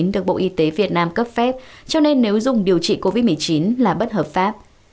được bộ y tế việt nam cấp phép cho nên nếu dùng điều trị covid một mươi chín là bất hợp pháp